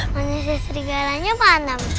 manusia serigalanya mana